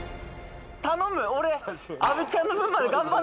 頼む俺。